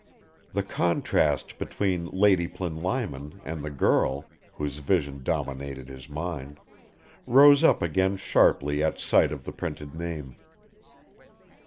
The contrast between Lady Plinlimon and the girl, whose vision dominated his mind, rose up again sharply at sight of the printed name.